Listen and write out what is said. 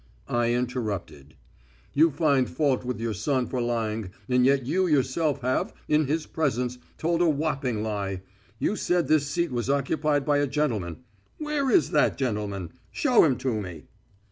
I interrupted. "You find fault with your son for lying, and yet you yourself have, in his presence, told a whopping lie. You said this seat was occupied by a gentleman. Where is that gentleman? Show him to me."